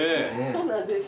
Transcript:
そうなんです。